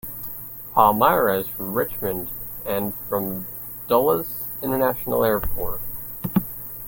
Palmyra, is from Richmond and from Dulles International Airport.